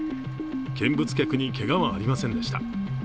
見物客にけがはありませんでした。